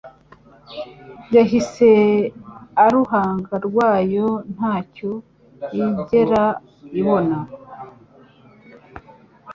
yahishe uruhanga rwayo nta cyo yigera ibona